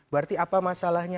berarti apa masalahnya